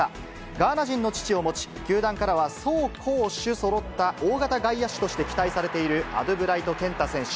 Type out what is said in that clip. ガーナ人の父を持ち、球団からは走攻守そろった大型外野手として期待されている、アドゥブライト健太選手。